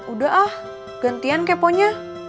udah ah gantian keponya